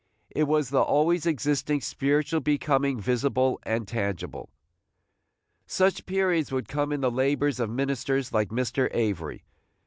It was the always existing spiritual becoming visible and tangible. Such periods would come in the labors of ministers like Mr. Avery.